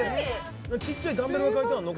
ちっちゃいダンベルが描いてあんの？